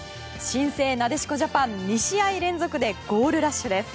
新生なでしこジャパン２試合連続でゴールラッシュです。